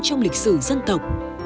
trong lịch sử dân tộc